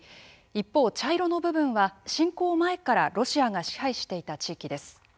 一方茶色の部分は侵攻前からロシアが支配していた地域です。